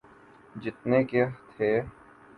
جتنے کے تھے۔